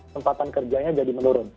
tempatan kerjanya jadi menurun